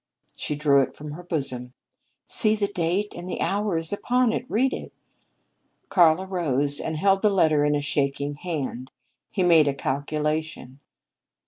She drew it from her bosom. "See, the date and hour is upon it. Read it." Karl arose and held the letter in a shaking hand. He made a calculation.